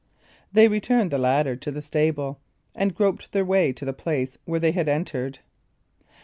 They returned the ladder to the stable, and groped their way to the place where they had entered.